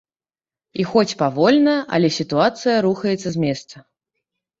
І хоць павольна, але сітуацыя рухаецца з месца.